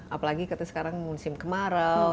apalagi kita sekarang musim kemarau